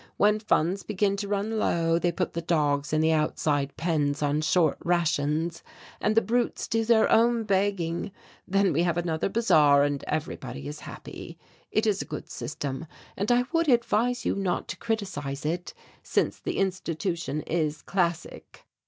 When funds begin to run low they put the dogs in the outside pens on short rations, and the brutes do their own begging; then we have another bazaar and everybody is happy. It is a good system and I would advise you not to criticize it since the institution is classic.